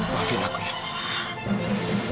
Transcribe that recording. maafin aku nek